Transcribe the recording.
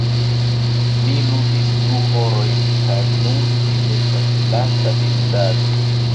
Mi ludis du horojn kaj nun mi estas laca de ludado.